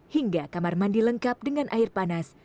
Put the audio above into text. hingga kamar mandi lengkap dengan air panas